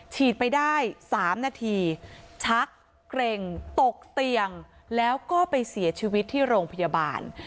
ฉีดไปได้๓นาทีชักเกร็งตกเตียงแล้วก็ไปเสียชีวิตที่โรงพยาบาล